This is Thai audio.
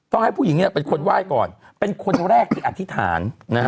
ให้ผู้หญิงเป็นคนไหว้ก่อนเป็นคนแรกที่อธิษฐาน